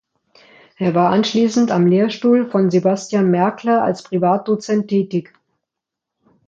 Er war anschließend am Lehrstuhl von Sebastian Merkle als Privatdozent tätig.